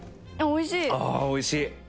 おいしい？